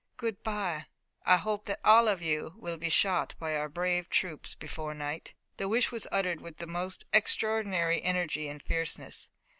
"Good by. I hope that all of you will be shot by our brave troops before night!" The wish was uttered with the most extraordinary energy and fierceness.